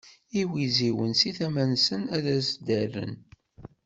Iwiziwen si tama-nsen ad as-d-rren.